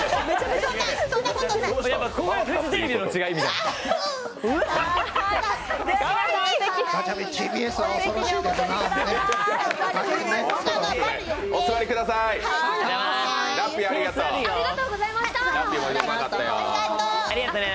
ここがフジテレビとの違いみたいな。